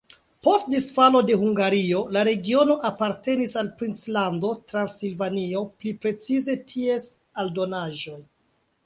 Post disfalo de Hungario la regiono apartenis al princlando Transilvanio, pli precize ties aldonaĵoj.